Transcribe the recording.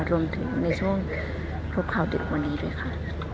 รวมถึงในช่วงรูปข่าวติดวันนี้ด้วยค่ะ